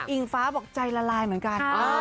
ฟ้าบอกใจละลายเหมือนกัน